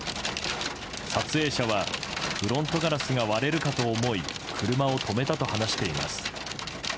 撮影者は、フロントガラスが割れるかと思い車を止めたと話しています。